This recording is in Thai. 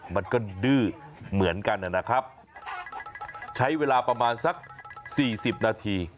มันก็ดื้อเหมือนกันนะครับใช้เวลาประมาณสักสี่สิบนาที